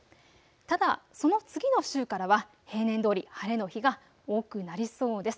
ただ、その次の週からは平年どおり晴れの日が多くなりそうです。